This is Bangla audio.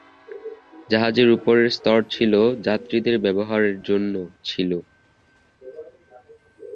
জাহাজের উপরের স্তরে ছিলো যাত্রীদের ব্যবহারের জন্য ছিল।